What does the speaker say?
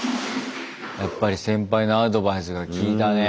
やっぱり先輩のアドバイスがきいたね。